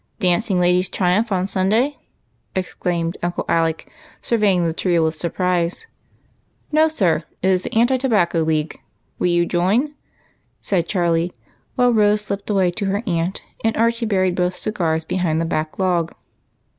Dancing Ladies Triumph on Sun day?" exclaimed Uncle Alec, surveying the trio witli surprise. " No, sir, it is the Anti Tobacco League. Will you join?" said Charlie, while Rose slipped away to her aunt, and Archie buried both cigars behind the back log.